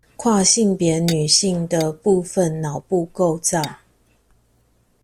跨性別女性的部分腦部構造